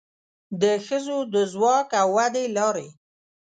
د ښځو د ځواک او ودې لارې